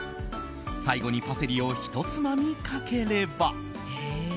最後にパセリをひとつまみかければ。